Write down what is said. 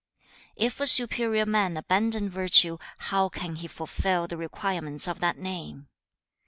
2. 'If a superior man abandon virtue, how can he fulfil the requirements of that name?